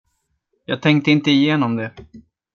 Jag tänkte inte igenom det.